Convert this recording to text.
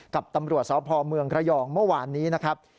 กับตำรวจสพเมืองระยองเมื่อวานนี้นะครับ